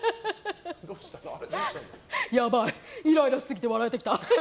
やばい、イライラしすぎて笑えてきた。